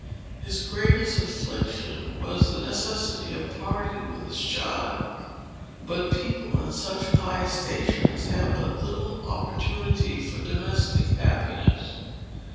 His greatest affliction was the necessity of parting with his child; but people in such high stations have but little opportunity for domestic happiness.